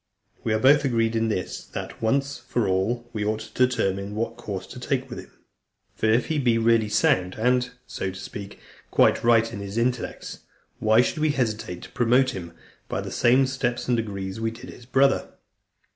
We are both agreed in this, that, once for all, we ought to determine what course to take with him. For if he be really sound and, so to speak, quite right in his intellects , why should we hesitate to promote him by the same steps and degrees we did his brother?